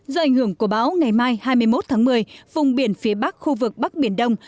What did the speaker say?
do ảnh hưởng của bão ngày mai hai mươi một tháng một mươi vùng biển phía bắc khu vực bắc biển đông